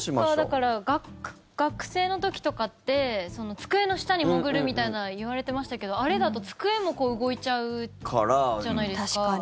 だから、学生の時とかって机の下に潜るみたいな言われてましたけど、あれだと机も動いちゃうじゃないですか。